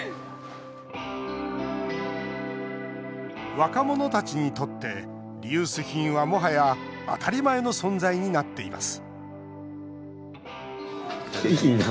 若者たちにとってリユース品は、もはや当たり前の存在になっています